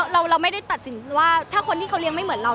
เราไม่ได้ตัดสินว่าถ้าคนที่เขาเลี้ยไม่เหมือนเรา